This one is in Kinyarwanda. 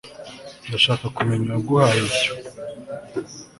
Ndashaka kumenya uwaguhaye ibyo